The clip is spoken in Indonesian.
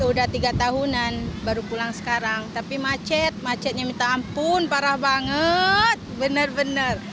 udah tiga tahunan baru pulang sekarang tapi macet macetnya minta ampun parah banget bener bener